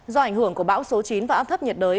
do ảnh hưởng của bão số chín và áp thấp nhiệt đới